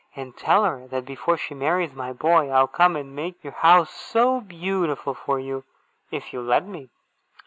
And tell her that before she marries my boy, I'll come and make your house so beautiful for you, if you'll let me!